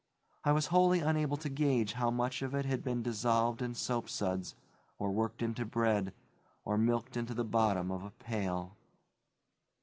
I was wholly unable to gauge how much of it had been dissolved in soapsuds, or worked into bread, or milked into the bottom of a pail.